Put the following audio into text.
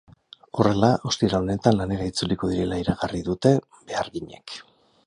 Horrela, ostiral honetan lanera itzuliko direla iragarri dute beharginek.